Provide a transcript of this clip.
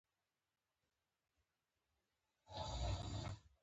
او کومه ميوه دانه چې پکښې وي.